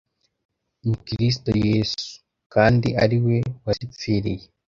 Ni Kristo Yesu, kandi ariwe wazipfiriye